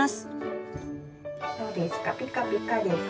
どうですかピカピカです？